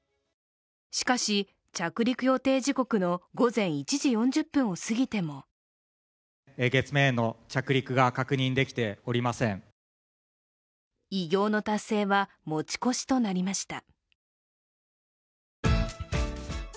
しかし、着陸予定時刻の午前１時４０分を過ぎても偉業の達成は持ち越しとなりました。